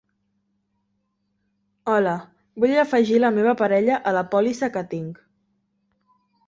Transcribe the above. Hola, vull afegir la meva parella a la pòlissa que tinc.